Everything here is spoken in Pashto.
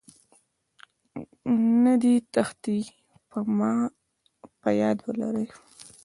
نه دې تېښتې.په ياد ولرئ